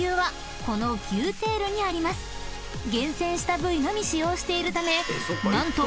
［厳選した部位のみ使用しているため何と］